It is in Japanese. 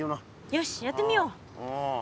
よしやってみよう！